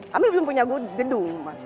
kami belum punya gedung mas